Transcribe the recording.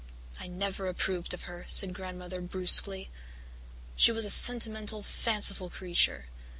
"I never approved of her," said Grandmother brusquely. "She was a sentimental, fanciful creature.